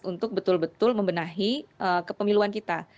untuk betul betul membenahi kepemiluan kita